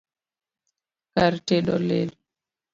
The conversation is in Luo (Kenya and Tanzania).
Kar tedo olil